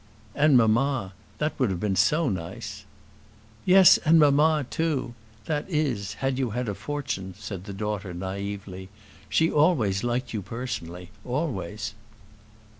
"And mamma; that would have been so nice." "Yes; and mamma, too that is, had you had a fortune," said the daughter, naïvely. "She always liked you personally, always."